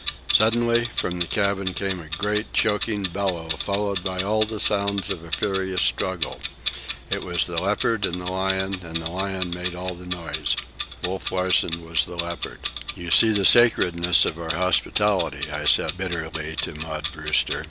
Suddenly, from the cabin came a great, choking bellow, followed by all the sounds of a furious struggle. It was the leopard and the lion, and the lion made all the noise. Wolf Larsen was the leopard. "You see the sacredness of our hospitality," I said bitterly to Maud Brewster.